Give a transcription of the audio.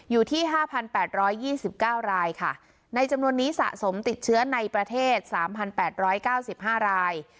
อยู่ที่ห้าพันแปดร้อยยี่สิบเก้ารายค่ะในจำนวนนี้สะสมติดเชื้อในประเทศสามพันแปดร้อยเก้าสิบห้าราย